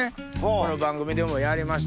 この番組でもやりましたけど。